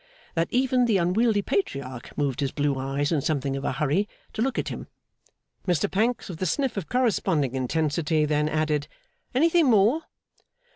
that even the unwieldy Patriarch moved his blue eyes in something of a hurry, to look at him. Mr Pancks, with a sniff of corresponding intensity, then added, 'Anything more?